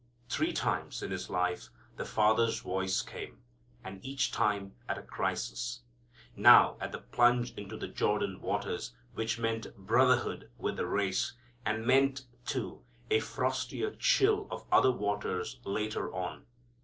Three times in His life the Father's voice came, and each time at a crisis. Now at the plunge into the Jordan waters, which meant brotherhood with the race, and meant, too, a frostier chill of other waters later on.